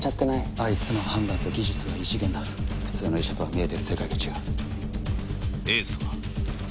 あいつの判断と技術は異次元だ普通の医者とは見えてる世界が違うエースはその超人的なオペ技術で